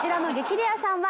レアさんは。